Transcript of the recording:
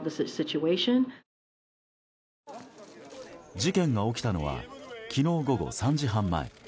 事件が起きたのは昨日午後３時半前。